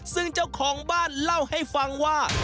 ซึ่งเจ้าของบ้านเล่าให้ฟังว่า